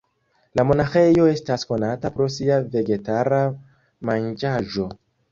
La monaĥejo estas konata pro sia vegetara manĝaĵo.